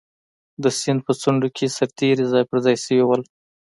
د سیند په څنډو کې سرتېري ځای پر ځای شوي وو.